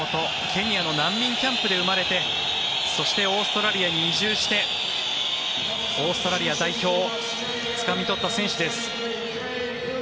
ケニアの難民キャンプで生まれてそしてオーストラリアに移住してオーストラリア代表をつかみ取った選手です。